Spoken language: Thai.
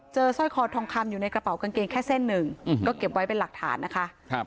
สร้อยคอทองคำอยู่ในกระเป๋ากางเกงแค่เส้นหนึ่งก็เก็บไว้เป็นหลักฐานนะคะ